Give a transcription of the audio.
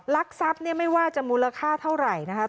ลักษัพไม่ว่าจะมูลค่าเท่าไหร่นะคะ